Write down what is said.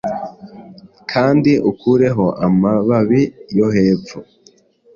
kandi ukureho amababi yo hepfo